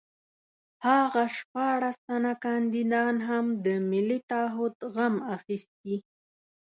هماغه شپاړس تنه کاندیدان هم د ملي تعهُد غم اخیستي.